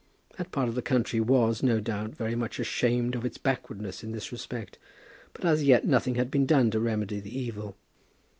That part of the country was, no doubt, very much ashamed of its backwardness in this respect, but as yet nothing had been done to remedy the evil.